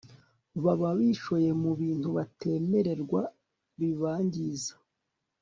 baba bishoye mu bintu bataremererwa bibangiza